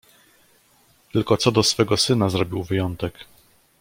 "Tylko co do swego syna zrobił wyjątek."